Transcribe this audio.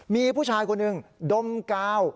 มีผู้ชายคนหนึ่งดมกาว